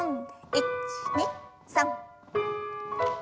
１２３。